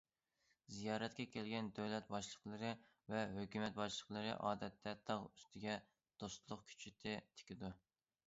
زىيارەتكە كەلگەن دۆلەت باشلىقلىرى ۋە ھۆكۈمەت باشلىقلىرى ئادەتتە تاغ ئۈستىگە دوستلۇق كۆچىتى تىكىدۇ.